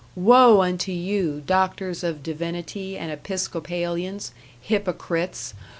Woe unto you, doctors of divinity and Episcopalians, hypocrites!